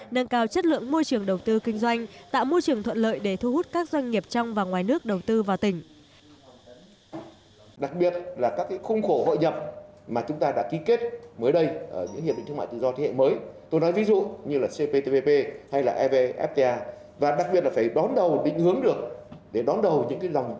nâng cao chất lượng môi trường đầu tư kinh doanh tạo môi trường thuận lợi để thu hút các doanh nghiệp trong và ngoài nước đầu tư vào tỉnh